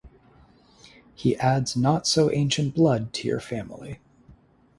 He adds not so ancient blood to your family.